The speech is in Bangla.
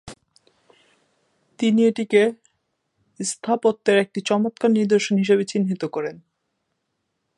তিনি এটিকে স্থাপত্যের একটি চমৎকার নিদর্শন হিসেবে চিহ্নিত করেন।